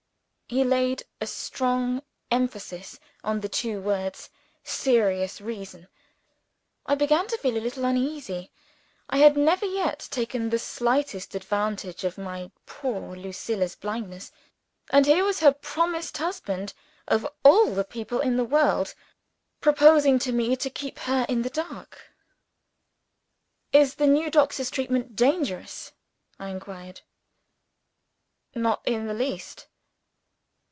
He laid a strong emphasis on the two words "serious reason." I began to feel a little uneasy. I had never yet taken the slightest advantage of my poor Lucilla's blindness. And here was her promised husband of all the people in the world proposing to me to keep her in the dark. "Is the new doctor's treatment dangerous?" I inquired. "Not in the least."